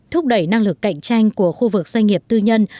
thúc đẩy năng lực cạnh tranh của khu vực doanh nghiệp tư nhân